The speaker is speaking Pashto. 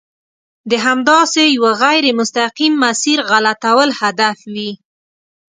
د همداسې یوه غیر مستقیم مسیر غلطول هدف وي.